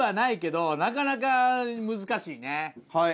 はい。